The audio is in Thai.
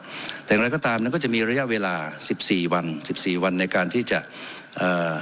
แต่อย่างไรก็ตามนั้นก็จะมีระยะเวลาสิบสี่วันสิบสี่วันในการที่จะเอ่อ